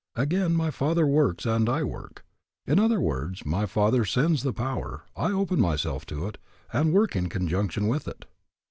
Again, My Father works and I work. In other words, my Father sends the power, I open myself to it, and work in conjunction with it.